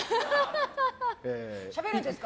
しゃべるんですか？